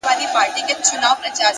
د زړه صفا دروند ارزښت لري.!